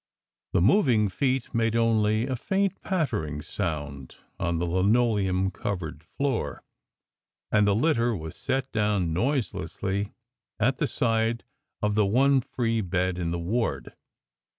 The moving feet made only a faint pattering sound on the linoleum covered floor, and the litter was set down noiselessly at the side of the one free bed in the ward.